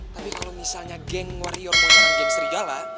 tapi kalau misalnya geng warior mau menang geng serigala